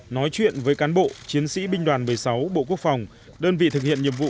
nói chuyện với cán bộ chiến sĩ binh đoàn một mươi sáu bộ quốc phòng đơn vị thực hiện nhiệm vụ